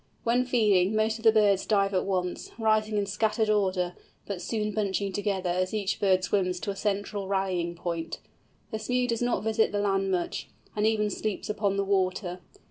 When feeding most of the birds dive at once, rising in scattered order, but soon bunching together as each bird swims to a central rallying point. The Smew does not visit the land much, and even sleeps upon the water.